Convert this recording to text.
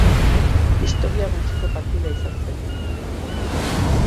Historia gutxiko partida izan zen.